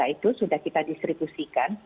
itu sudah kita distribusikan